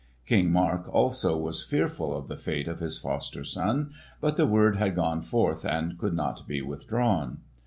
King Mark also was fearful of the fate of his foster son, but the word had gone forth and could not be withdrawn.